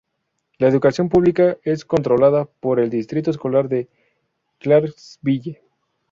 La educación pública es controlada por el Distrito Escolar de Clarksville.